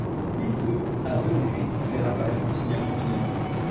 Il peut, à volonté, faire apparaître un signal lumineux.